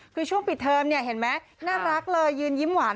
คือช่วงปิดเทอมเนี่ยเห็นไหมน่ารักเลยยืนยิ้มหวาน